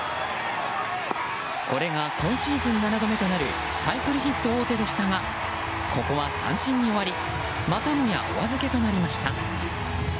これが今シーズン７度目となるサイクルヒット王手でしたがここは三振に終わりまたもや、お預けとなりました。